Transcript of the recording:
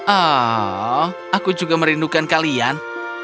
ah aku juga merindukan kalian